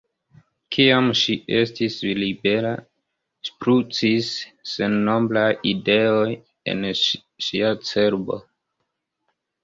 Kiam ŝi estis libera, ŝprucis sennombraj ideoj en ŝia cerbo.